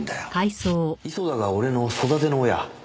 磯田が俺の育ての親？